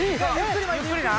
ゆっくりな！